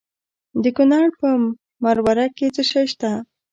د کونړ په مروره کې څه شی شته؟